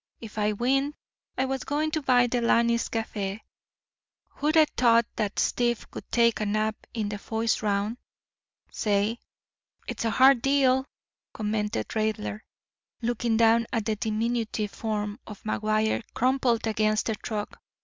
If I winned I was goin' to buy Delaney's café. Who'd a t'ought dat stiff would take a nap in de foist round—say?" "It's a hard deal," commented Raidler, looking down at the diminutive form of McGuire crumpled against the truck.